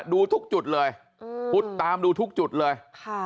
ดูทุกจุดเลยพุทธตามดูทุกจุดเลย